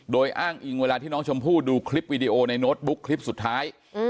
โดยอ้างอิงเวลาที่น้องชมพู่ดูคลิปวีดีโอในโน้ตบุ๊กคลิปสุดท้าย